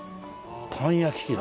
パン焼器だ。